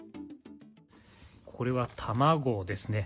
これは卵ですね。